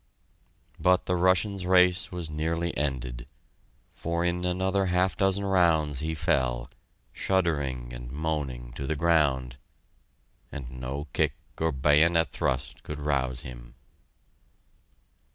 But the Russian's race was nearly ended, for in another half dozen rounds he fell, shuddering and moaning, to the ground and no kick or bayonet thrust could rouse him...